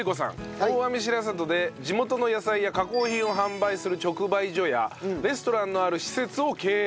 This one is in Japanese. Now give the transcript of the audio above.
大網白里で地元の野菜や加工品を販売する直売所やレストランのある施設を経営。